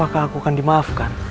apakah aku akan dimaafkan